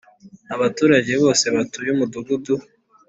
abaturage bose batuye Umudugudu